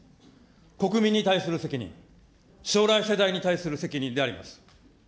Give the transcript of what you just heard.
国民に対する責任、将来世代に対する責任であります。